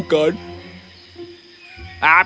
kami akan menemukan telurmu